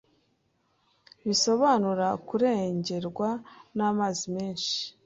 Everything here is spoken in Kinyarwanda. bisobanura kurengerwa n'amazi menshi